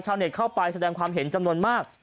เน็ตเข้าไปแสดงความเห็นจำนวนมาก